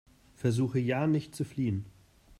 Versuche ja nicht zu fliehen!